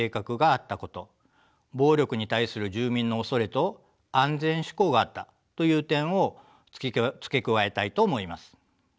暴力に対する住民の恐れと安全志向があったという点を付け加えたいと思います。